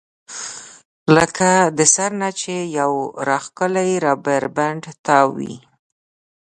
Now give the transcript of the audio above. لکه د سر نه چې يو راښکلی ربر بېنډ تاو وي